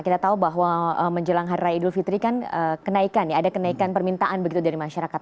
kita tahu bahwa menjelang hari raya idul fitri kan kenaikan ya ada kenaikan permintaan begitu dari masyarakat